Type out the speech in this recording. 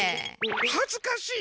はずかしい！